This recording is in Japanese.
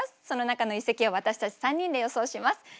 その中の一席を私たち３人で予想します。